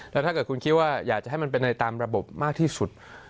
แล้วถ้าเกิดคุณคิดว่าอยากจะให้มันเป็นในตามระบบมากที่สุด